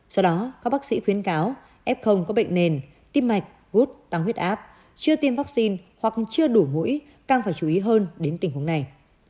do đó các bác sĩ khuyến cáo f có bệnh nền tim mạch gút tăng huyết áp chưa tiêm vaccine hoặc chưa đủ mũi càng phải chú ý hơn đến tình huống này